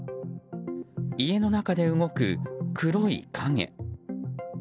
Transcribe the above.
家の中で動く、黒い影。